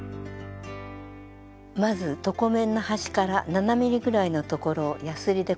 まず床面の端から７ｍｍぐらいのところをやすりでこすります。